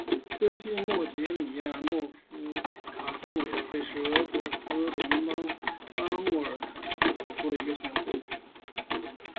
科济莫杰米亚诺夫卡村委员会是俄罗斯联邦阿穆尔州坦波夫卡区所属的一个村委员会。